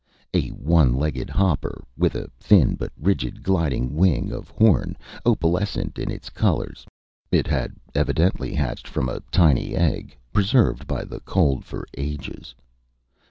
A one legged hopper, with a thin but rigid gliding wing of horn. Opalescent in its colors. It had evidently hatched from a tiny egg, preserved by the cold for ages.